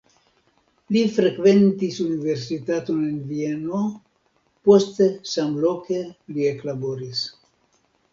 Li frekventis universitaton en Vieno, poste samloke li eklaboris.